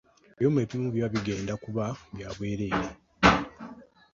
Ebyuma ebimu biba bigenda kuba bya bwereere.